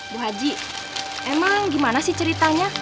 bu haji emang gimana sih ceritanya